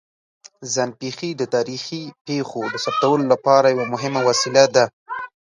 ځان پېښې د تاریخي پېښو د ثبتولو لپاره یوه مهمه وسیله ده.